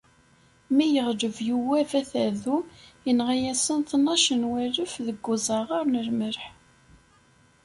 Mi yeɣleb Yuwab at Adum, inɣa-asen tnac n walef deg uẓaɣar n lmelḥ.